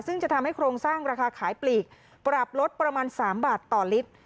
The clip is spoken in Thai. ซึ่งจะทำให้โครงสร้างราคาขายปลีกปรับลดประมาณ๓บาทต่อลิตร